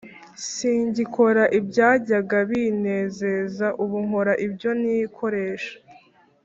Singikor' ibyajyaga binezeza. Ubu nkora ibyo ntikoresha.